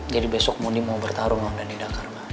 jadi besok mondi mau bertarung sama dhani dakar